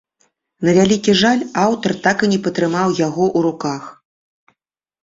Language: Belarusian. На вялікі жаль, аўтар так і не патрымаў яго ў руках.